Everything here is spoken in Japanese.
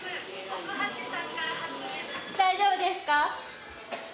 大丈夫ですか？